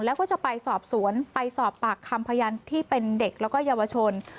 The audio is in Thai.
แล้วก็จะไปสอบสวนไปสอบปากคำพยานที่เป็นเด็กแล้วก็เยาวชน